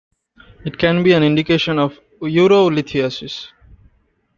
It can be an indication of urolithiasis.